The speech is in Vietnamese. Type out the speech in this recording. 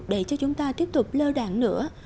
để cho chúng ta tiếp tục lơ đảng nữa